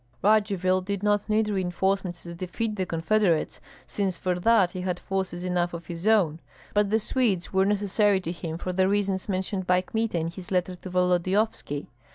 Radzivill did not need reinforcements to defeat the confederates, since for that he had forces enough of his own; but the Swedes were necessary to him for the reasons mentioned by Kmita in his letter to Volodyovski.